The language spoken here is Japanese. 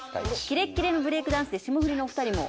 キレッキレのブレイクダンスで霜降りのお二人も。